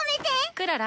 クララ。